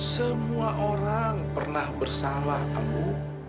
semua orang pernah bersalah kamu